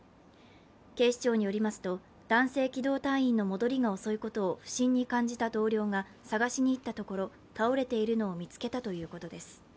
警視庁によりますと男性機動隊員の戻りが遅いことを不審に感じた同僚が探しに行ったところ倒れているのを見つけたということです。